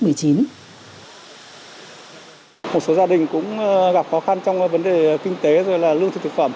một số gia đình cũng gặp khó khăn trong vấn đề kinh tế rồi là lương thực thực phẩm